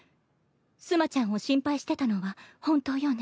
須磨ちゃんを心配してたのは本当よね？